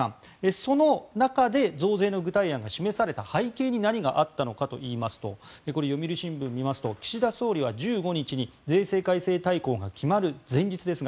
その中で増税の具体案が示された背景に何があったのかといいますとこれは読売新聞を見ますと岸田総理は１５日に税制改正大綱が決まる前日ですが